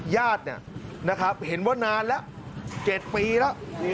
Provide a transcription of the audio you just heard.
ญาตินะครับเห็นว่านานละ๗ปีละ